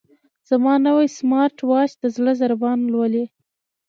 زما نوی سمارټ واچ د زړه ضربان لولي.